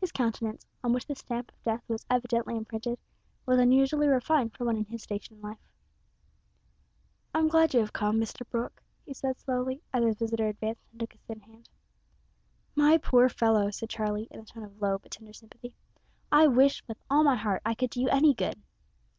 His countenance, on which the stamp of death was evidently imprinted, was unusually refined for one in his station in life. "I'm glad you have come, Mr Brooke," he said slowly, as his visitor advanced and took his thin hand. "My poor fellow," said Charlie, in a tone of low but tender sympathy, "I wish with all my heart I could do you any good."